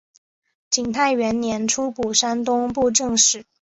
景泰元年出补山东布政使。